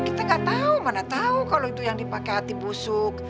kita gak tau mana tau kalo itu yang dipake hati busuk